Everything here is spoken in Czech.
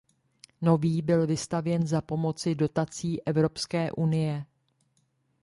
Nový byl vystavěn za pomoci dotací Evropské unie.